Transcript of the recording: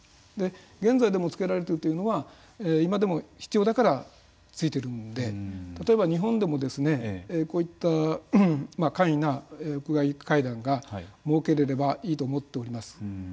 現在でもつけられているというのは今でも必要だからついているんで例えば日本でもこういった簡易な屋外階段が設けれればいいと思っています。